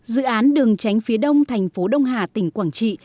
dự án đường tránh phía đông thành phố đông hà tỉnh quảng trị